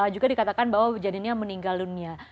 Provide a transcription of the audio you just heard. juga dikatakan bahwa kejadiannya meninggal dunia